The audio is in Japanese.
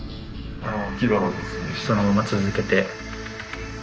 そのまま続けて。